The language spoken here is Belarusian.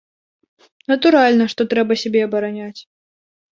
Натуральна, што трэба сябе абараняць.